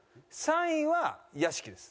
３位は屋敷です。